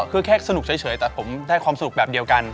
คือแค่สนุกเฉยแต่ผมได้ความสนุกแบบเดียวกัน